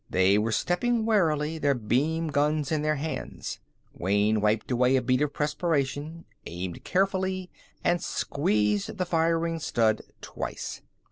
They were stepping warily, their beam guns in their hands. Wayne wiped away a bead of perspiration, aimed carefully, and squeezed the firing stud twice.